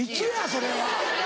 それは。